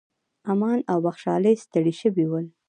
امان او بخشالۍ ستړي شوي ول.